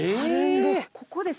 ここですね